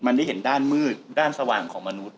มันได้เห็นด้านมืดด้านสว่างของมนุษย